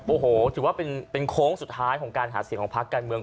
โอ้โหถือว่าเป็นโค้งสุดท้ายของการหาเสียงของพักการเมือง